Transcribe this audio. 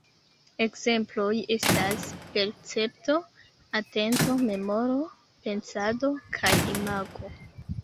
Ekzemploj estas percepto, atento, memoro, pensado kaj imago.